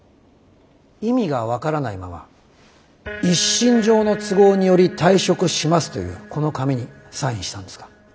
意味が分からないまま「一身上の都合により退職します」というこの紙にサインしたんですか？